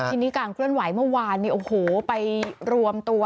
ทีนี้การเคลื่อนไหวเมื่อวานเนี่ยโอ้โหไปรวมตัว